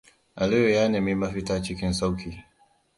Aliyu ya nemi mafita cikin sauƙi.